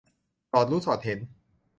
สอดรู้สอดเห็น